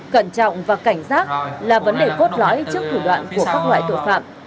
cẩn trọng và cảnh giác là vấn đề cốt lõi trước thủ đoạn của các loại tội phạm